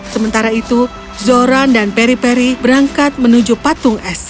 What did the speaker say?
sementara itu zoran dan peri peri berangkat menuju patung es